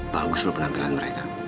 bagus loh penampilan mereka